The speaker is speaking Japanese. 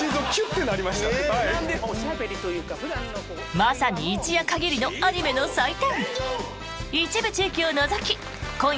まさに一夜限りのアニメの祭典！